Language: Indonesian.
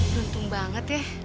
duntung banget ya